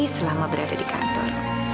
selama berada di kantor